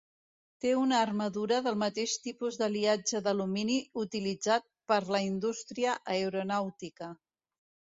Té una armadura del mateix tipus d'aliatge d'alumini utilitzat per la indústria aeronàutica.